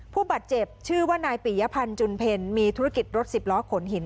ผู้บาดเจ็บชื่อว่านายปียพันธ์จุนเพลมีธุรกิจรถสิบล้อขนหิน